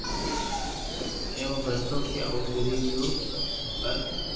ايوہ ڀجيو ڪي او گري ھيو پر